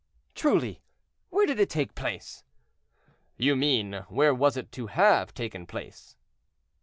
"Truly! where did it take place?" "You mean, where was it to have taken place?"